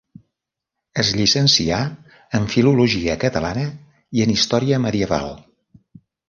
Es llicencià en filologia catalana i en història medieval.